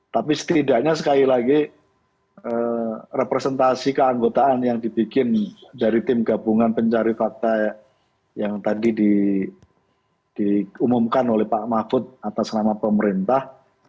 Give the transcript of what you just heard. tapi setidaknya sekali lagi representasi keanggotaan yang dibikin dari tim gabungan pencari fakta yang tadi diumumkan oleh pak mahfud atas nama pemerintah